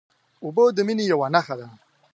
اوبه د مینې یوه نښه ده.